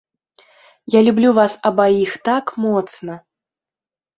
Я люблю вас абаіх так моцна.